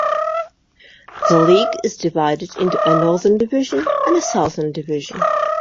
The league is divided into a Northern Division and a Southern Division.